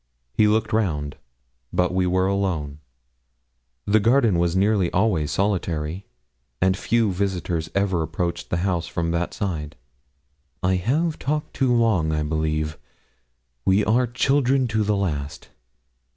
He looked round, but we were alone. The garden was nearly always solitary, and few visitors ever approached the house from that side. 'I have talked too long, I believe; we are children to the last.